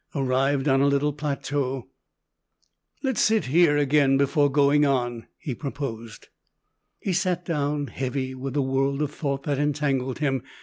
Arrived on a little plateau "Let's sit here again before going in," he proposed. He sat down, heavy with the world of thought that entangled him.